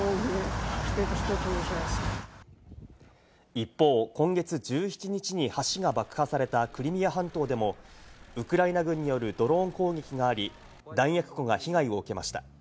一方、今月１７日に橋が爆破されたクリミア半島でもウクライナ軍によるドローン攻撃があり、弾薬庫が被害を受けました。